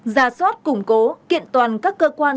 già soát củng cố kiện toàn các cơ quan